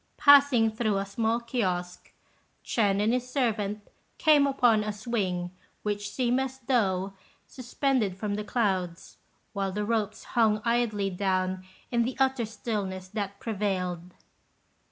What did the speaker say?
Passing through a small kiosque, Ch'ên and his servant came upon a swing which seemed as though suspended from the clouds, while the ropes hung idly down in the utter stillness that prevailed.